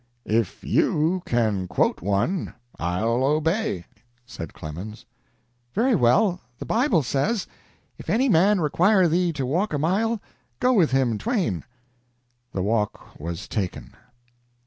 "If you can quote one, I'll obey," said Clemens. "Very well; the Bible says: `If any man require thee to walk a mile, go with him Twain.'" The walk was taken.